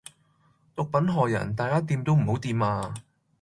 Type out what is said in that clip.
毒品害人，大家掂都唔好掂呀！